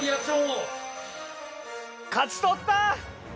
勝ち取った！